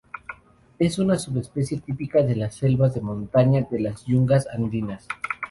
Es una subespecie típica de las selvas de montaña de las yungas andinas.